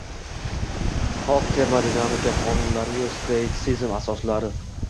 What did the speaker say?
xoh termodinamika qonunlariyu stoitsizm asoslari...